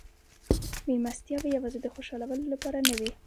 مېلمستیاوې یوازې د خوشحالولو لپاره نه وې.